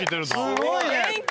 すごいね！